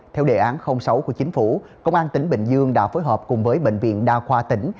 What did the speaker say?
theo đề án sáu của chính phủ công an tỉnh bình dương đã phối hợp cùng với bệnh viện đa khoa tỉnh